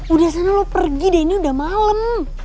udah sana lo pergi deh ini udah malem